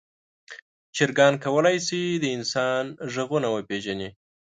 چرګان کولی شي د انسان غږونه وپیژني.